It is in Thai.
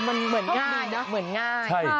เออมันเหมือนง่าย